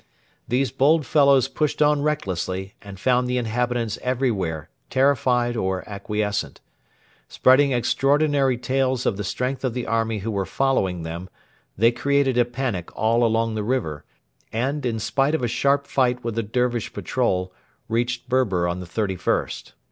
These bold fellows pushed on recklessly, and found the inhabitants everywhere terrified or acquiescent. Spreading extraordinary tales of the strength of the army who were following them, they created a panic all along the river, and, in spite of a sharp fight with a Dervish patrol, reached Berber on the 31st.